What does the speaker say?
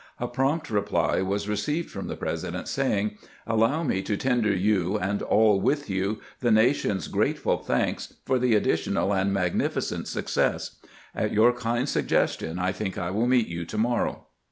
A prompt reply was received from the President, saying :" Allow me to tender you, and all with you, the nation's grateful thanks for the additional and magnificent success. At your kind suggestion, I think I will meet you to morrow."